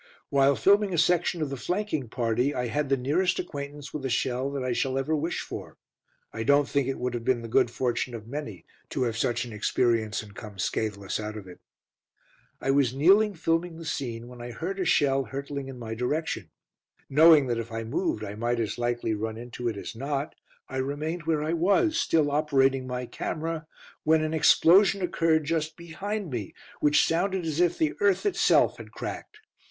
While filming a section of the flanking party, I had the nearest acquaintance with a shell that I shall ever wish for. I don't think it would have been the good fortune of many to have such an experience and come scathless out of it. I was kneeling filming the scene, when I heard a shell hurtling in my direction. Knowing that if I moved I might as likely run into it as not, I remained where I was, still operating my camera, when an explosion occurred just behind me, which sounded as if the earth itself had cracked.